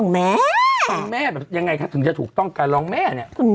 แม่แบบยังไงถึงจะถูกต้องการร้องแม่เนี่ย